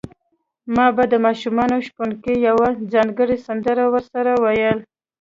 ما به د ماشوم شپونکي یوه ځانګړې سندره ورسره ویله.